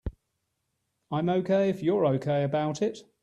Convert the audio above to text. I'm OK if you're OK about it.